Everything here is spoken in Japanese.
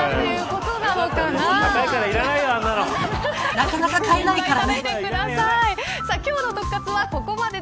なかなか買えないからね。